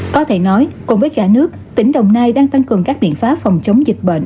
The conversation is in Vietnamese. có thể nói cùng với cả nước tỉnh đồng nai đang tăng cường các biện pháp phòng chống dịch bệnh